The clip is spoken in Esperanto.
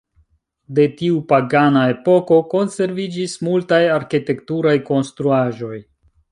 De tiu pagana epoko konserviĝis multaj arkitekturaj konstruaĵoj.